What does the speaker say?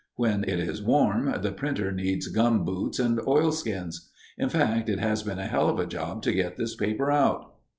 When it is warm, the printer needs gum boots and oilskins. In fact, it has been a hell of a job to get this paper out.